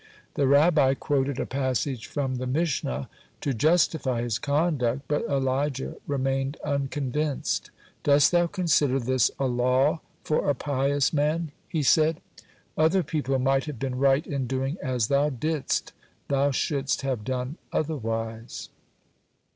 The Rabbi quoted a passage from the Mishnah to justify his conduct, but Elijah remained unconvinced. "Dost thou consider this a law for a pious man?" he said. "Other people might have been right in doing as thou didst; thou shouldst have done otherwise."